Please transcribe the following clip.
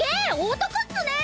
男っスね！